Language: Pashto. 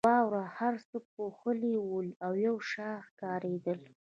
واورو هر څه پوښلي ول او یو شان ښکارېدل.